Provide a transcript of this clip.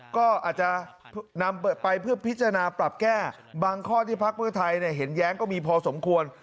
ก็อาจจะนำไปเพื่อพิจารณาปรับแก้บางข้อที่พักเพื่อไทยเห็นแย้งก็มีพอสมควร